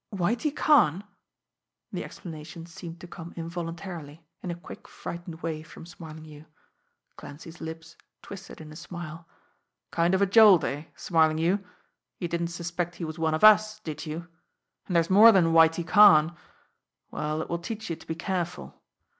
"Whitie Karn!" The exclamation seemed to come involuntarily, in a quick, frightened way from Smarlinghue. Clancy's lips twisted in a smile. "Kind of a jolt eh Smarlinghue? You didn't suspect he was one of us, did you? and there's more than Whitie Karn. Well, it will teach you to be careful.